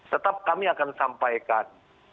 tetap kami akan sampaikan